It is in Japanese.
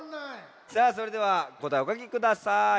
さあそれではこたえおかきください。